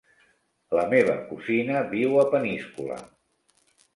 La meva cosina viu a Peníscola.